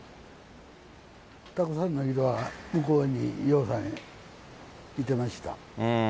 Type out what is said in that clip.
たくさんの人が、向こうにぎょうさんいてました。